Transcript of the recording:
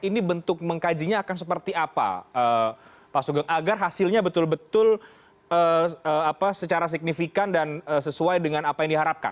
ini bentuk mengkajinya akan seperti apa pak sugeng agar hasilnya betul betul secara signifikan dan sesuai dengan apa yang diharapkan